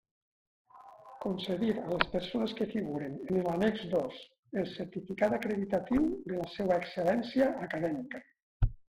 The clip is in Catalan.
Concedir a les persones que figuren en l'annex dos el certificat acreditatiu de la seua excel·lència acadèmica.